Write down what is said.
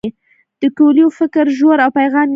د کویلیو فکر ژور او پیغام یې نړیوال دی.